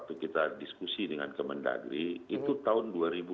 dan waktu kita diskusi dengan kemendagri itu tahun dua ribu lima belas